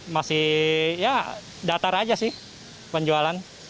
masih ya datar aja sih penjualan